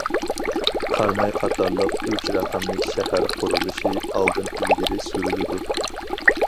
قاراماي قاتارلىق ئۈچ‹‹ رەقەملىك شەھەر›› قۇرۇلۇشى ئالدىن ئىلگىرى سۈرۈلىدۇ.